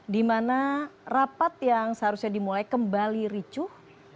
dimana rapat yang seharusnya dimulai kembali ricuh